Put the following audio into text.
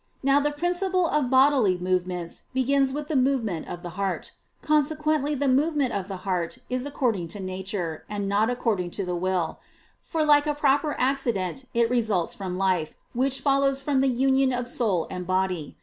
Now the principle of bodily movements begins with the movement of the heart. Consequently the movement of the heart is according to nature, and not according to the will: for like a proper accident, it results from life, which follows from the union of soul and body.